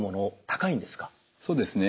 そうですね。